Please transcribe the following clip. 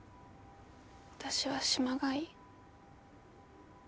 私は島がいい。